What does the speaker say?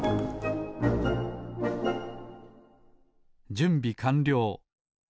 じゅんびかんりょう。